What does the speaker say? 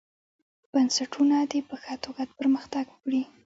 بنسټونه دې په ښه توګه پرمختګ وکړي.